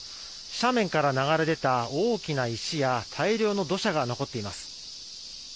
斜面から流れ出た大きな石や大量の土砂が残っています。